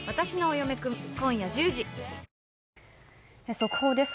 速報です。